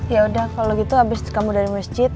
ya udah kalau gitu abis kamu dari masjid